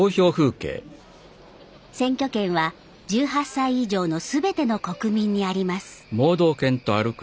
選挙権は１８歳以上のすべての国民にあります。